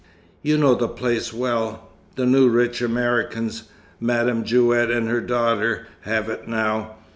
You know the place well. The new rich Americans, Madame Jewett and her daughter, have it now.